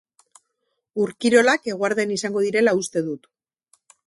Ur-kirolak eguerdian izango direla uste dut.